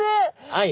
はい。